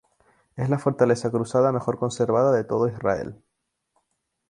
Es la fortaleza cruzada mejor conservada de todo Israel.